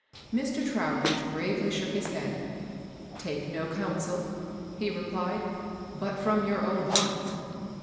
Mr. Trowbridge gravely shook his head. " Take no counsel," he repKed, *' but from your own heart.